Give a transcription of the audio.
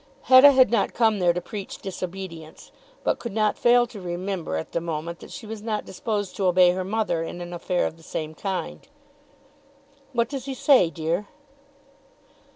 Hetta had not come there to preach disobedience, but could not fail to remember at the moment that she was not disposed to obey her mother in an affair of the same kind. "What does he say, dear?"